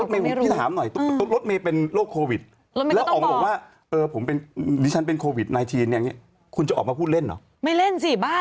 คนเขาเห็นกันถูกบ้างทุกเมืองใครจะออกมาพูดเล่น